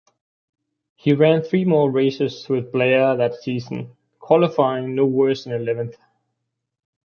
He ran three more races with Blair that season, qualifying no worse than eleventh.